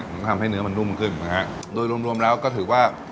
มันก็ทำให้เนื้อมันนุ่มขึ้นนะฮะโดยรวมรวมแล้วก็ถือว่า